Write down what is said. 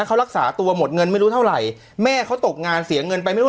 เขารักษาตัวหมดเงินไม่รู้เท่าไหร่แม่เขาตกงานเสียเงินไปไม่รู้